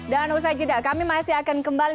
dan usai cinta kami masih akan kembali